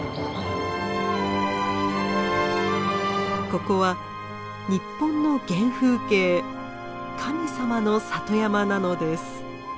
ここは日本の原風景神様の里山なのです。